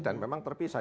dan memang terpisah